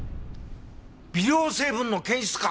微量成分の検出か。